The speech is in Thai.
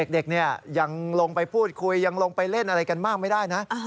เด็กยังลงไปพูดคุยยังลงไปเล่นอะไรกันมากไม่ได้นะ